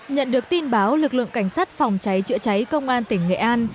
nhận được tin báo lực lượng cảnh sát phòng cháy chữa cháy công an tỉnh nghệ an